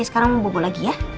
sekarang buruk buruk lagi ya